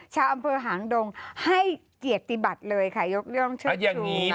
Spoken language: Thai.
ชาวอำเภอหางดงให้เกียรติบัติเลยค่ะยกเรื่องเชิดชู